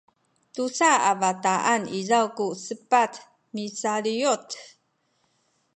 tusa a bataan izaw ku sepat misaliyut